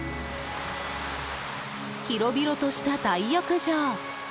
広々とした大浴場。